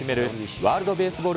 ワールドベースボール